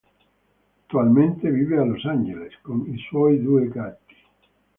Attualmente vive a Los Angeles con i suoi due gatti.